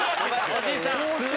おじさん。